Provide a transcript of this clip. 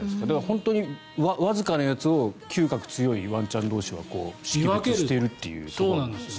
本当にわずかなやつをきゅう覚が強いワンちゃん同士は認識しているということなんですね。